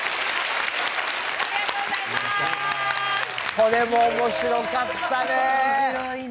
これも面白かったね！